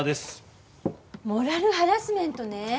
モラルハラスメントね。